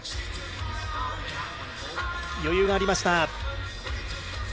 余裕がありました。